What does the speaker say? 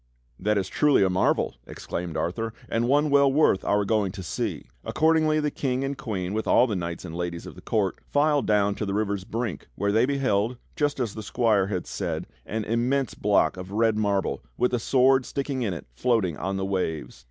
"That is truly a marvel!" exclaimed Arthur, "and one well worth our going to see." Accordingly the King and Queen with all the knights and ladies of the court filed down to the river's brink, where they beheld, just as the squire had said, an immense block of red marble, with a sword sticking in it, floating on the waves.